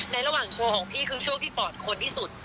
ระหว่างโชว์ของพี่คือช่วงที่ปอดคนที่สุด